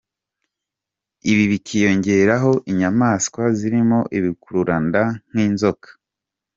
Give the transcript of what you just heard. Ibi bikiyongeraho inyamaswa zirimo ibikururanda nk’inzoka.